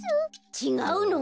ちがうの？